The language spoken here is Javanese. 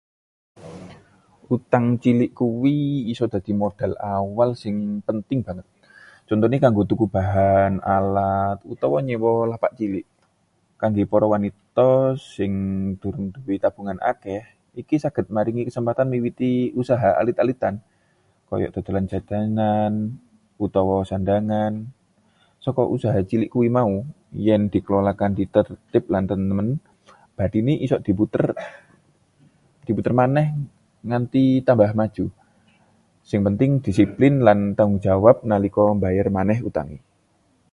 Utang cilik kuwi iso dadi modal awal sing penting banget. Contone kanggo tuku bahan, alat, utawa nyewa lapak cilik. Kangge para wanita sing durung nduwe tabungan akeh, iki saged maringi kesempatan miwiti usaha alit-alitan kaya dodolan jajanan utawa sandhangan. Saka usaha cilik mau, yen dikelola kanthi tertib lan temen, bathine iso diputer maneh nganti tambah maju. Sing penting disiplin lan tanggung jawab nalika mbayar maneh utange.